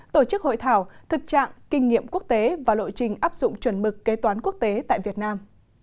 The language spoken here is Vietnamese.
tổ chức hội thảo thực trạng kinh nghiệm quốc tế và lộ trình áp dụng chuẩn mực kế toán quốc tế tại việt nam